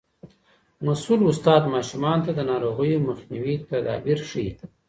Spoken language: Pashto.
مسؤول استاد ماشومانو ته د ناروغیو مخنیوي تدابیر ښيي.